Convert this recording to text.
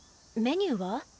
メニューは？